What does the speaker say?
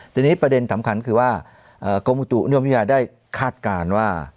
แต่ประเด็นสำคัญคือว่ากรมธุนิยมวิวัยได้คาดการณ์ว่า